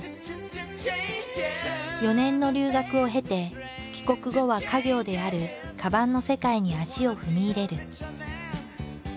４年の留学を経て帰国後は家業であるカバンの世界に足を踏み入れる。